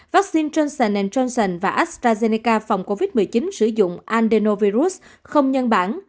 vaccine johnson johnson và astrazeneca phòng covid một mươi chín sử dụng andenovirus không nhân bản